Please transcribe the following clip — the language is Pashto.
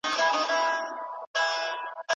لویه سوله کړه بنیاده